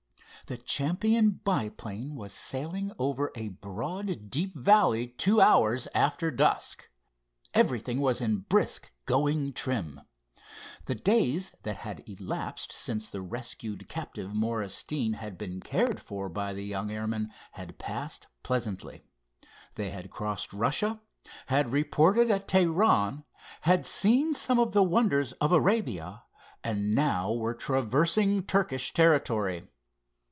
The champion biplane was sailing over a broad, deep valley two hours after dusk. Everything was in brisk going trim. The days that had elapsed since the rescued captive, Morris Deane, had been cared for by the young airmen had passed pleasantly. They had crossed Russia, had reported at Teheran, had seen some of the wonders of Arabia, and now were traversing Turkish territory.